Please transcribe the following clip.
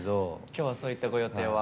今日はそういったご予定は？